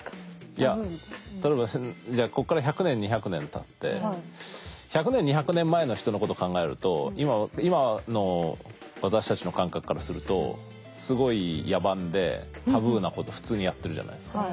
いや例えばこっから１００年２００年たって１００年２００年前の人のこと考えると今の私たちの感覚からするとすごい野蛮でタブーなこと普通にやってるじゃないですか。